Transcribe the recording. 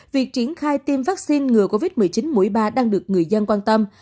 việc triển khai tiêm vaccine ngừa covid một mươi chín mũi ba đang được người dân quan tâm